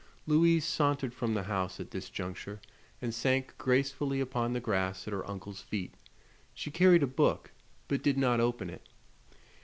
Louise sauntered from the house, at this juncture, and sank gracefully upon the grass at her uncle's feet. She carried a book, but did not open it.